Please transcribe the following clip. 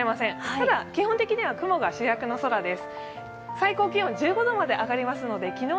ただ、基本的には雲が主役の空です